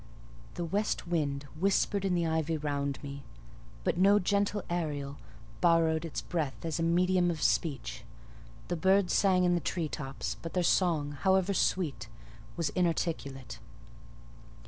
The west wind whispered in the ivy round me; but no gentle Ariel borrowed its breath as a medium of speech: the birds sang in the tree tops; but their song, however sweet, was inarticulate.